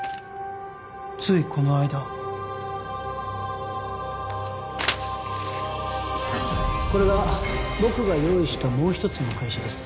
ついこの間これが僕が用意したもう一つの会社です